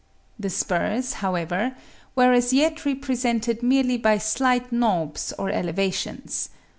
The spurs, however, were as yet represented merely by slight knobs or elevations.